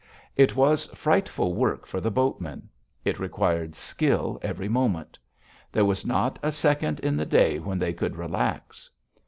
It was frightful work for the boatmen. It required skill every moment. There was not a second in the day when they could relax.